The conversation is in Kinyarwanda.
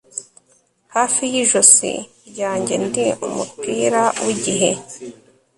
hafi yijosi ryanjye, ndi umupira wigihe